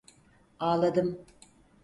Ağladım.